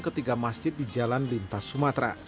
ketiga masjid di jalan lintas sumatera